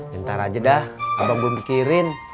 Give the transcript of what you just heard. bentar aja dah abang belum mikirin